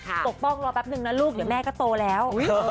ปกป้องรอแป๊บนึงนะลูกเดี๋ยวแม่ก็โตแล้ว